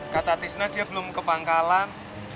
kata tisna dia belum ke pangkalan